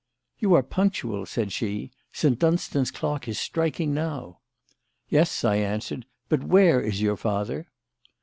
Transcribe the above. "You are punctual," said she. "St. Dunstan's clock is striking now." "Yes," I answered. "But where is your father?"